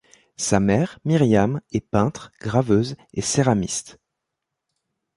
Sa mère, Miriam, est peintre, graveuse et céramiste.